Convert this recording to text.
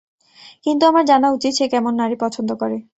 কিন্তু আমার জানা উচিত সে কেমন নারী পছন্দ করে।